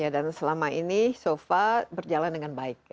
dan selama ini so far berjalan dengan baik